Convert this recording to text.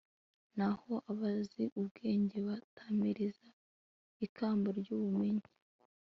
naho abazi ubwenge batamiriza ikamba ry'ubumenyi